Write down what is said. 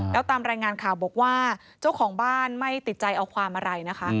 แล้วตามรายงานข่าวบอกว่าเจ้าของบ้านไม่ติดใจเอาความอะไรนะคะ